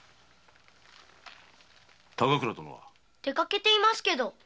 出かけていますけど。